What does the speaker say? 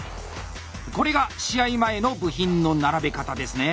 これが試合前の部品の並べ方ですね。